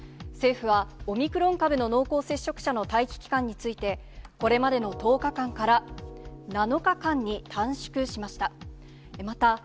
政府はオミクロン株の濃厚接触者の待機期間について、これまでの１０日間から、７日間に短縮しました。